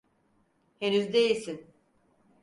Henüz değilsin.